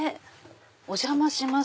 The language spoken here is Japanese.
お邪魔します。